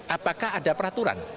apakah ada peraturan